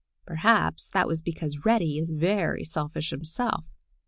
Perhaps that was because Reddy is very selfish himself.